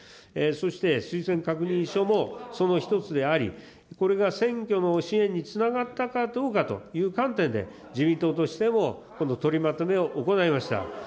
そして、推薦確認書もその１つであり、これが選挙の支援につながったかどうかという観点で、自民党としてもこの取りまとめを行いました。